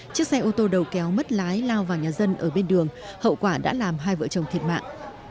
chiếc xe ô tô đầu kéo mất lái lao vào nhà dân ở bên đường hậu quả đã làm hai vợ chồng thiệt mạng